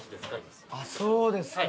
あっそうですか！